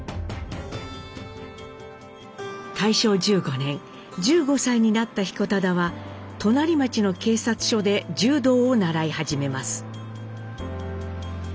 大正１５年１５歳になった彦忠は隣町の警察署で柔道を習い始めます。